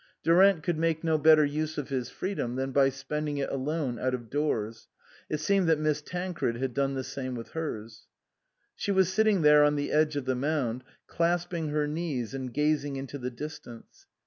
Durant could make no better use of his freedom than by spending it alone out of doors ; it seemed that Miss Tan cred had done the same with hers. She was sitting there on the edge of the mound, clasping her knees and gazing into the distance.